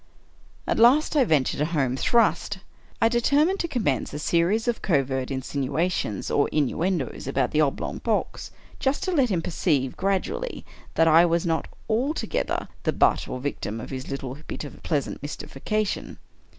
At last I ventured a home thrust. I determined to commence a series of covert insinuations, or innuendoes, about the oblong box — just to let him perceive, gradually, that I was not altogether the butt, or victim, of his little bit of pleasant mystification.